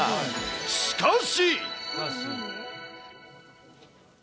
しかし。